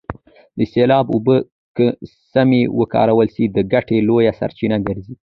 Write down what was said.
د سیلاب اوبه که سمې وکارول سي د ګټې لویه سرچینه ګرځي.